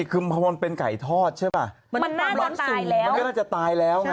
เนี้ยมรึเป็นไก่ทอดใช่ปะมันน่าจะตายแล้วมันก็ได้จะตายแล้วน่ะ